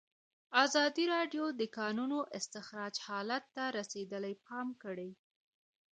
ازادي راډیو د د کانونو استخراج حالت ته رسېدلي پام کړی.